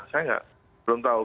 saya belum tahu